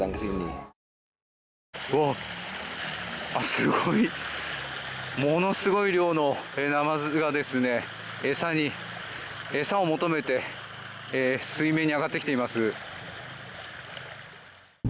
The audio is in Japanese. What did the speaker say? すごい。ものすごい量のナマズが餌を求めて水面に上がってきています。